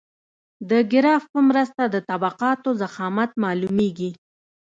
د ګراف په مرسته د طبقاتو ضخامت معلومیږي